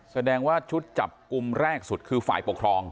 แสดงว่าชุดจับกลุ่มแรกสุดคือฝ่ายปกครอง